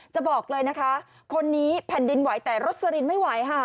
จะบอกเลยนะคะคนนี้แผ่นดินไหวแต่รสลินไม่ไหวค่ะ